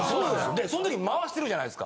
でその時回してるじゃないですか。